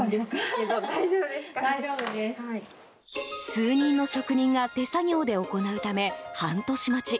数人の職人が手作業で行うため半年待ち。